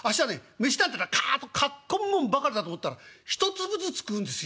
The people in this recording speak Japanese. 飯なんてのはかあっとかっ込むものばかりだと思ったら１粒ずつ食うんですよええ。